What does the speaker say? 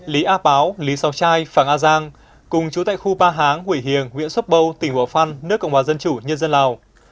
lý a báo lý sào trai phạm a giang cùng chú tại khu ba háng hủy hiền huyện sốp bâu tỉnh bỏ phăn nước cộng hòa dân chủ nhân dân lào